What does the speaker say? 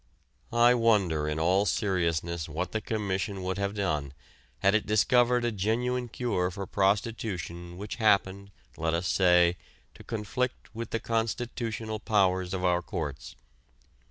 I wonder in all seriousness what the Commission would have done had it discovered a genuine cure for prostitution which happened, let us say, to conflict with the constitutional powers of our courts.